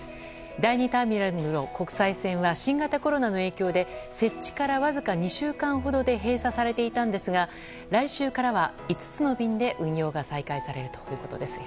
第２ターミナルの国際線は新型コロナの影響で設置から、わずか２週間ほどで閉鎖されていたんですが来週からは５つの便で運用が再開されるということです。